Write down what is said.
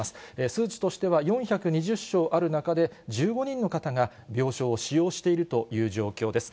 数値としては４２０床ある中で、１５人の方が病床を使用しているという状況です。